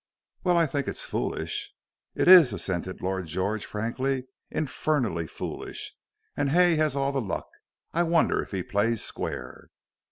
"Well, I think it's foolish." "It is," assented Lord George, frankly, "infernally foolish. And Hay has all the luck. I wonder if he plays square."